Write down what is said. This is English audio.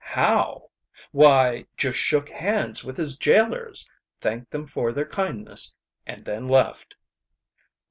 "How? Why, just shook hands with his jailers, thanked them for their kindness, and then left."